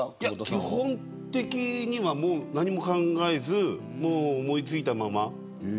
基本的には何も考えずもう思いついたまま。